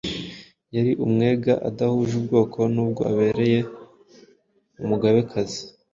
yari umwega adahuje ubwoko n’uwo abereye umugabekazi.